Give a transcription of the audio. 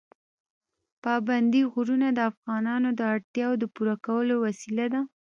پابندی غرونه د افغانانو د اړتیاوو د پوره کولو وسیله ده.